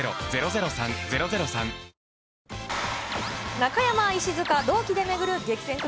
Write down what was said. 中山、石塚、同期で巡る激戦区